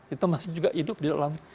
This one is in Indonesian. itu masih juga hidup di dalam